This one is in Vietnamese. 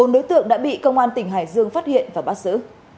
bốn đối tượng đã bị công an tỉnh hải dương phát hiện và bắt giữ